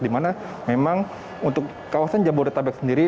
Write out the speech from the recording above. di mana memang untuk kawasan jabodetabek sendiri